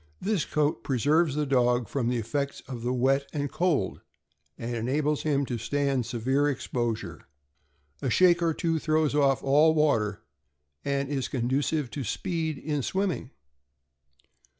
This coat preserves the dog from the effects of the wet and cold, and enables him to stand severe exposure; a shake or two throws off all water, and it is conducive to speed in swimming.